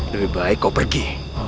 lebih baik kau pergi